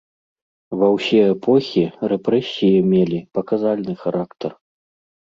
Ва ўсе эпохі рэпрэсіі мелі паказальны характар.